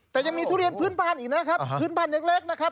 แต่ยังมีทุเรียนพื้นบ้านอีกนะครับพื้นบ้านเล็กนะครับ